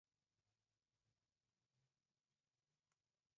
La denuncia recayó en el Juzgado Federal de Daniel Rafecas.